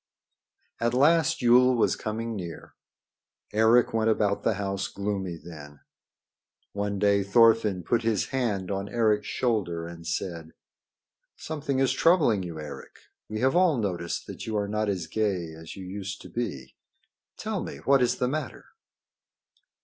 At last Yule was coming near. Eric went about the house gloomy then. One day Thorfinn put his hand on Eric's shoulder and said: "Something is troubling you, Eric. We have all noticed that you are not gay as you used to be. Tell me what is the matter."